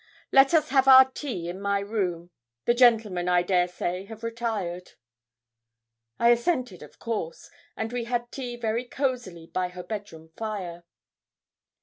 Let us have our tea in my room the gentlemen, I dare say, have retired.' I assented, of course, and we had tea very cosily by her bedroom fire.